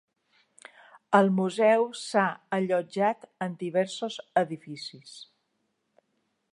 El museu s'ha allotjat en diversos edificis.